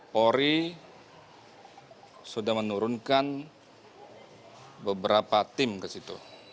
polri sudah menurunkan beberapa tim ke situ